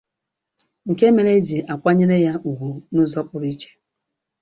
nke mere e ji akwanyere ya ùgwù n'ụzọ pụrụ ichè